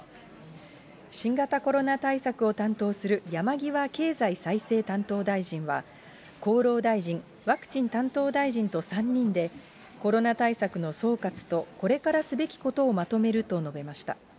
新型コロナ対策を担当する、山際経済再生担当大臣は、厚労大臣、ワクチン担当大臣と３人で、コロナ対策の総括と、これからすべきことをまとめると述べました。